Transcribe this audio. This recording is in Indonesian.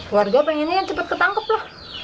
keluarga pengennya cepat ketangkap lah